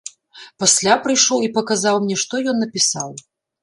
Пасля прыйшоў і паказаў мне, што ён напісаў.